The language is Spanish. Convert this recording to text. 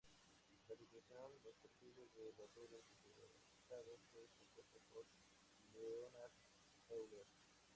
La aplicación a los perfiles de las ruedas dentadas fue propuesta por Leonhard Euler.